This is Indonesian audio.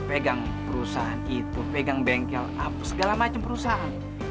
pegang perusahaan itu pegang bengkel segala macam perusahaan